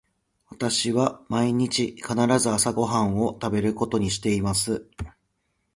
私は毎日必ず朝ご飯を食べることにしています。